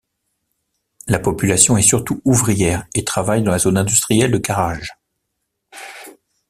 La population est surtout ouvrière et travaille dans la zone industrielle de Karaj.